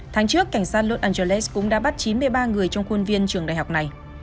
tháng trước cảnh sát los angeles cũng đã bắt chín mươi ba người trong khuôn viên trường đại học này